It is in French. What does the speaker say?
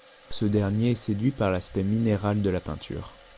Ce dernier est séduit par l'aspect minéral de la peinture.